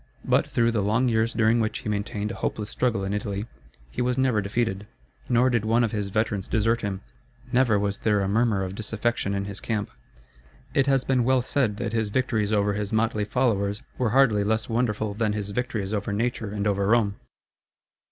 But through the long years during which he maintained a hopeless struggle in Italy he was never defeated. Nor did one of his veterans desert him; never was there a murmur of disaffection in his camp. It has been well said that his victories over his motley followers were hardly less wonderful than his victories over nature and over Rome.